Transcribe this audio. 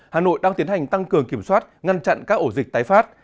hà nội đang tiến hành tăng cường kiểm soát ngăn chặn các ổ dịch tái phát